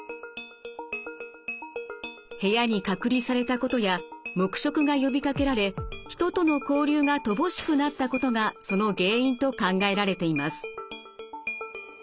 部屋に隔離されたことや黙食が呼びかけられ人との交流が乏しくなったことがその原因と考えられています。